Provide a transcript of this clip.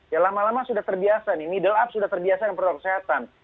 ya lama lama sudah terbiasa nih middle up sudah terbiasa dengan protokol kesehatan